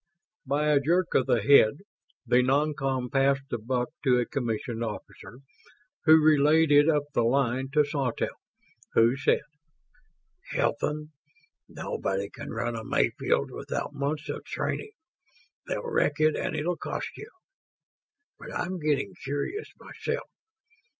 By a jerk of the head, the non com passed the buck to a commissioned officer, who relayed it up the line to Sawtelle, who said, "Hilton, _no_body can run a Mayfield without months of training. They'll wreck it and it'll cost you ... but I'm getting curious myself.